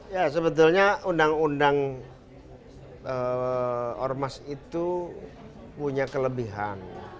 ya sebetulnya undang undang ormas itu punya kelebihan